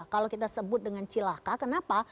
kalau kita sebut dengan cilaka kenapa